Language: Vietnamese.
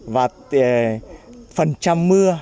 và phần trăm mưa